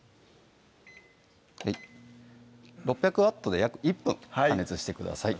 ６００Ｗで約１分加熱してください